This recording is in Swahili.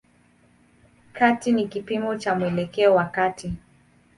Kati ni kipimo cha mwelekeo wa kati.